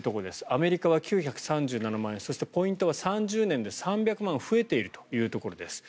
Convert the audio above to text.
アメリカは９３７万円そしてポイントは３０年間で３００万円増えているというところです。